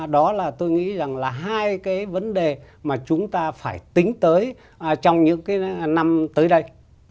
đó là tôi nghĩ rằng là hai cái vấn đề mà chúng ta phải tính tới trong những cái năm tới đây